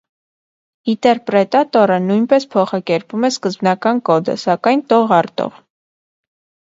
Իտերպրետատորը նույնպես փոխակերպում է սկզբնական կոդը, սակայն տող առ տող։